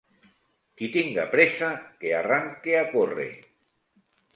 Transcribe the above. Qui tinga pressa, que arranque a córrer.